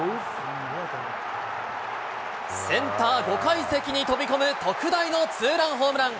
センター５階席に飛び込む特大のツーランホームラン。